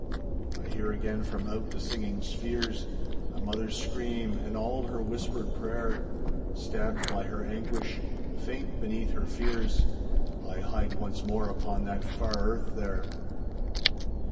I hear again from out the singing spheres A mother's scream, and all her whispered prayer Stabbed by her anguish, faint beneath her fears, I hide once more upon that far earth there.